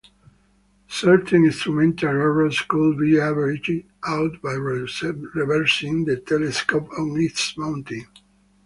Certain instrumental errors could be averaged out by reversing the telescope on its mounting.